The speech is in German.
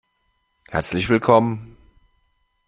Herzlich willkommen!